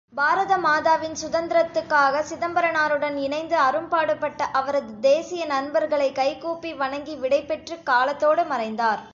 பாரதமாதாவின் சுதந்தரத்துக்காக சிதம்பரனாருடன் இணைந்து அரும்பாடுபட்ட அவரது தேசிய நண்பர்களை கைகூப்பி வணங்கி விடைபெற்றுக் காலத்தோடு மறைந்தார்.